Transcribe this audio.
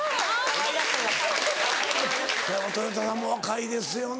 とよたさんも若いですよね。